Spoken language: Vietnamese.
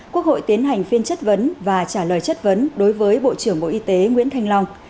quốc hội tiến hành phiên chất vấn và trả lời chất vấn đối với bộ trưởng bộ y tế nguyễn thanh long